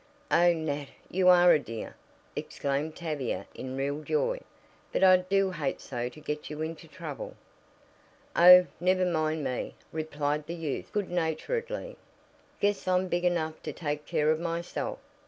"Oh, Nat, you are a dear!" exclaimed Tavia in real joy. "But I do hate so to get you into trouble." "Oh, never mind me," replied the youth good naturedly. "Guess I'm big enough to take care of myself.